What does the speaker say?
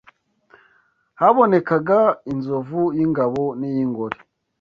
Habonekaga inzovu y’ingabo n’iy’ingore